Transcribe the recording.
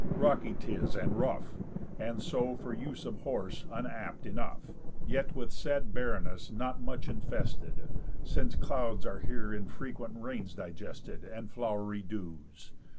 Rocky 'tis, and rough, And so for use of horse unapt enough, Yet with sad barrenness not much infested, Since clouds are here in frequent rains digested, And flow'ry dews.